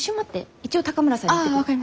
一応高村さんに言ってくる。